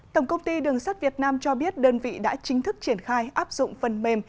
tổng công ty đường sắt việt nam cho biết đơn vị đã chính thức triển khai áp dụng phần mềm